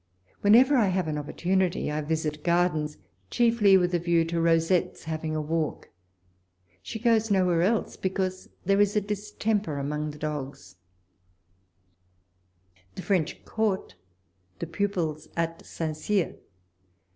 When ever I have an opportunity I visit gardens, chiefly with a view to Rosette's having a walk. She goes nowhere else, because there is a dis temper among the dogs. ... Ii4 walpole's letters. THE FRENCH COURT— THE PUPILS AT ST. CYR.